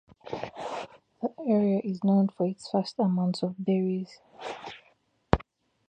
The area is known for its vast amounts of berries.